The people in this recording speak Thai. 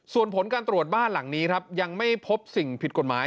ส่วนผลการตรวจบ้านหลังนี้ครับยังไม่พบสิ่งผิดกฎหมาย